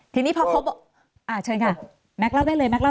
ถ้านี้พอเขาเชิญเและได้เลยค่ะเชิญค่ะ